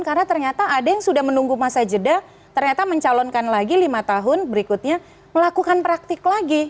karena ternyata ada yang sudah menunggu masa jeda ternyata mencalonkan lagi lima tahun berikutnya melakukan praktik lagi